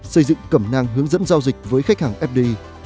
xây dựng cẩm nang hướng dẫn giao dịch với khách hàng fdi